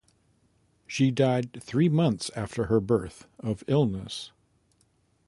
She died three months after her birth of illness.